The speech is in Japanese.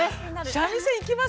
三味線行きます？